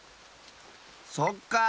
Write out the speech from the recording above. そっかあ。